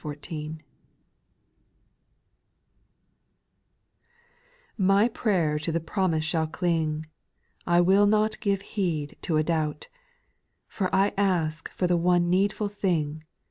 IITY prayer to the promise shall cling — jIJjL I will not give heed to a doubt ; For I ask for the one needful thing.